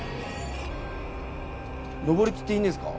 のぼりきっていいんですか？